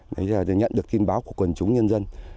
đấy là được nhận được tin báo của quần chúng nhân dân